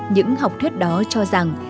những học thuyết đó cho rằng